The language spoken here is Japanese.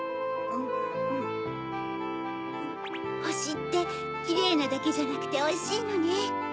ほしってキレイなだけじゃなくておいしいのね。